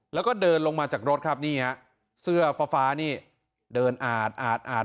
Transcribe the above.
แล้วก็เดินลงมาจากรถครับนี่ฮะเสื้อฟ้าฟ้านี่เดินอาดอาดอาด